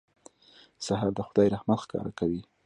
سهار د خدای رحمت ښکاره کوي.